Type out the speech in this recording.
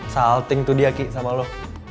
salting to dia kiki sama lu